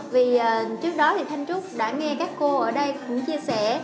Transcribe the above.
vì trước đó thì thanh trúc đã nghe các cô ở đây cũng chia sẻ